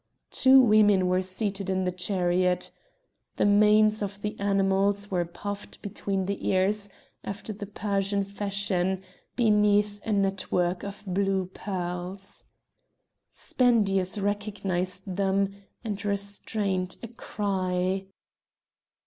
Two women were seated in the chariot. The manes of the animals were puffed between the ears after the Persian fashion, beneath a network of blue pearls. Spendius recognised them, and restrained a cry.